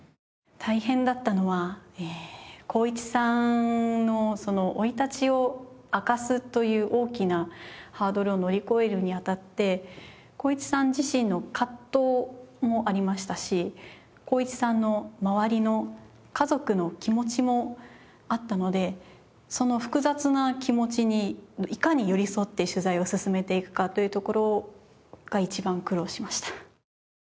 大変だったのは航一さんの生い立ちを明かすという大きなハードルを乗り越えるに当たって航一さん自身の葛藤もありましたし航一さんの周りの家族の気持ちもあったのでその複雑な気持ちにいかに寄り添って取材を進めていくかというところが一番苦労しました。